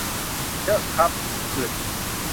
เยอะครับ อึด